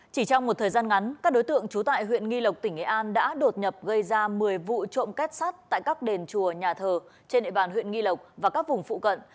chỉ trong một thời gian ngắn các đối tượng trú tại huyện nghi lộc tỉnh nghệ an đã đột nhập gây ra một mươi vụ trộm kết sắt tại các đền chùa nhà thờ trên địa bàn huyện nghi lộc và các vùng phụ cận